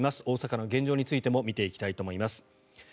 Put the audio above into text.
大阪の現状についても見ていきたいと思います。